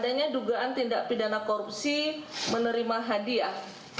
adanya dugaan tindak pidana korupsi menerima hadiah